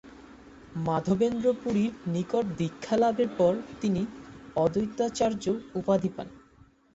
মাধবেন্দ্র পুরীর নিকট দীক্ষা লাভের পর তিনি ‘অদ্বৈতাচার্য’ উপাধি পান।